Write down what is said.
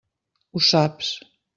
Ho saps.